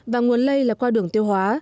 và nguồn lây là qua đường tiêu hóa